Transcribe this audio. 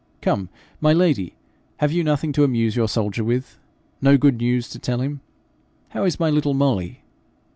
Come, my lady, have you nothing to amuse your soldier with? No good news to tell him? How is my little Molly?'